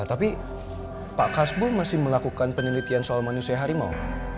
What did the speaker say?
tapi pak kasbo masih melakukan penelitian soal manusia harimau